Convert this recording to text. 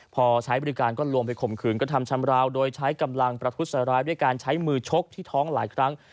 พอใช้บริการก็ลวงไปข่มขืนกระทำชำราวโดยใช้กำลังประทุษร้ายด้วยการใช้มือชกที่ท้องหลายครั้ง